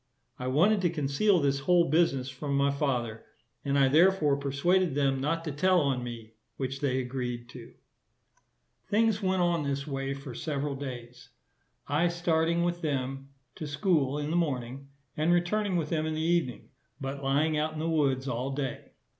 I wanted to conceal this whole business from my father, and I therefore persuaded them not to tell on me, which they agreed to. Things went on in this way for several days; I starting with them to school in the morning, and returning with them in the evening, but lying out in the woods all day.